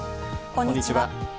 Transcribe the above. こんにちは。